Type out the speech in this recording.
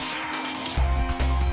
hẹn gặp lại